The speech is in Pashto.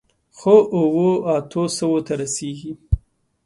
خو، اوو، اتو سووو ته رسېږي.